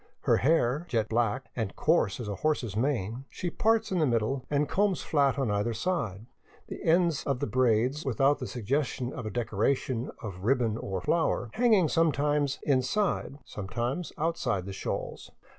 Her hair, jet black, and coarse as a horse's mane, she parts in the middle and combs flat on either side, the ends of the braids, without the suggestion of a decoration of ribbon or flower, hanging sometimes in side, sometimes outside the shawls.